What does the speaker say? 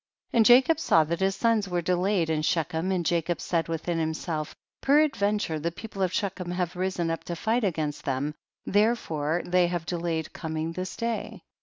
19. And Jacob saw that his sons were delayed in Shechem, and Ja cob said within himself, peradven ture the people of Shechem iiave risen up to tight against them, there fore they have delayed coming this day.